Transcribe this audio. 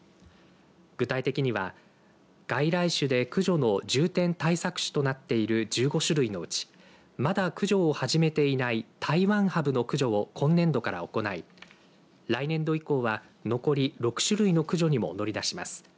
具体的には、外来種で駆除の重点対策種となっている１５種類のうちまだ駆除を始めていないタイワンハブの駆除を今年度から行い来年度以降は、残り６種類の駆除にも乗り出します。